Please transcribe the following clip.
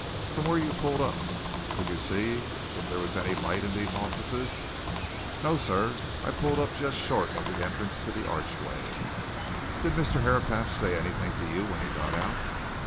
"From where you pulled up could you see if there was any light in these offices?" "No, sir I pulled up just short of the entrance to the archway." "Did Mr. Herapath say anything to you when he got out?"